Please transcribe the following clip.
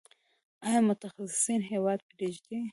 آیا متخصصین هیواد پریږدي؟